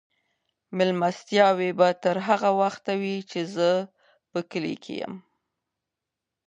مېلمستیاوې به تر هغه وخته وي چې زه په کلي کې یم.